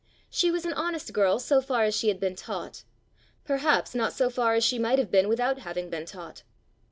She was an honest girl so far as she had been taught perhaps not so far as she might have been without having been taught.